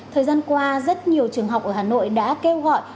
thời gian qua rất nhiều trường học ở hà nội đã kêu gọi